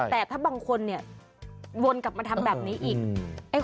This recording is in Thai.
แต่ถ้าบางคนเนี่ยวนกลับมาทำแบบนี้อีก